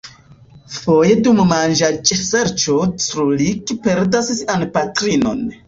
Foje dum manĝaĵserĉo Srulik perdas sian patrinon.